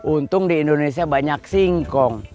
untung di indonesia banyak singkong